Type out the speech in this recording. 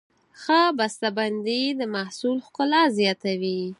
ښه بسته بندي د محصول ښکلا زیاتوي.